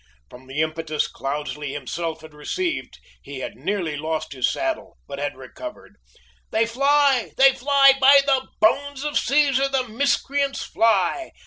From the impetus Cloudesley himself had received, he had nearly lost his saddle, but had recovered. "They fly! They fly! By the bones of Caesar, the miscreants fly!